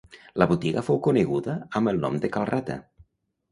La botiga fou coneguda amb el nom de Cal Rata.